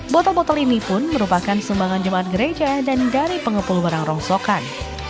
botol botol ini pun merupakan sumbangan jemaat gereja dan dari pengepul barang rongsokan